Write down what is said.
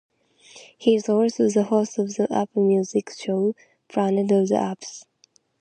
He is also the host of the Apple Music show "Planet of the Apps".